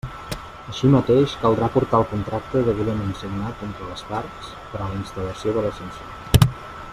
Així mateix, caldrà aportar el contracte degudament signat entre les parts per a la instal·lació de l'ascensor.